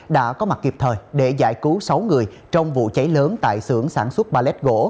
đã có mặt kịp thời để giải cứu sáu người trong vụ cháy lớn tại xưởng sản xuất ba led gỗ